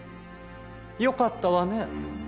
よかったわね。